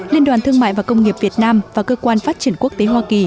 liên đoàn thương mại và công nghiệp việt nam và cơ quan phát triển quốc tế hoa kỳ